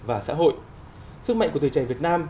và xã hội sức mạnh của tuổi trẻ việt nam